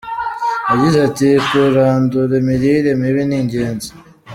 Yagize ati “Kurandura imirire mibi ni ingenzi.